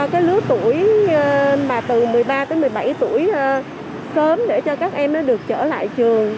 cái lứa tuổi mà từ một mươi ba tới một mươi bảy tuổi sớm để cho các em nó được trở lại trường